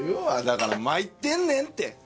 だからまいってんねんって。